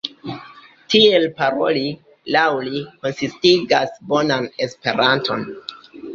Tiel paroli, laŭ li, konsistigas "bonan" Esperanton.